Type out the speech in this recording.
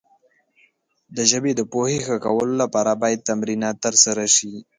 د ژبې د پوهې ښه کولو لپاره باید تمرینات ترسره شي.